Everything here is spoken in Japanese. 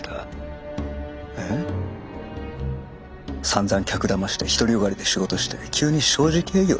さんざん客だまして独りよがりで仕事して急に正直営業だ？